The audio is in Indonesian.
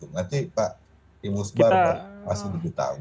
nanti pak imus baru pasti beritahu